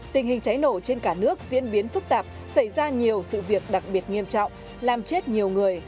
tình hình cháy nổ trên cả nước diễn biến phức tạp xảy ra nhiều sự việc đặc biệt nghiêm trọng làm chết nhiều người